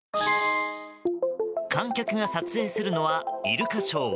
観客が撮影するのはイルカショー。